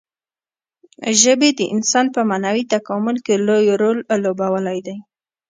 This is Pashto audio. ژبې د انسان په معنوي تکامل کې لوی رول لوبولی دی.